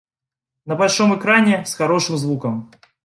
На большом экране, с хорошим звуком.